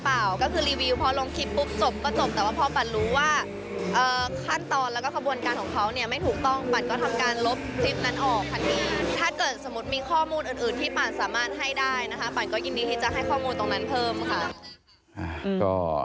ปันก็ยินดีที่จะให้ข้อมูลตรงนั้นเพิ่มค่ะ